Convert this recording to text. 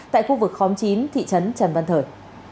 tại khu vực khóm chín thị trấn trần văn thời